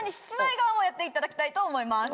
やっていただきたいと思います。